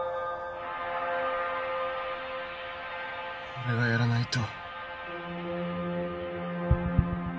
俺がやらないと。